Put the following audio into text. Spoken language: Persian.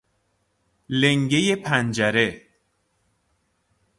لنگه پنجره